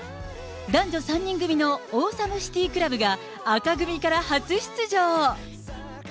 男女３人組のオーサムシティークラブが、紅組から初出場。